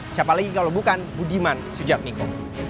siapa lagi kalau bukan budiman sujatmiko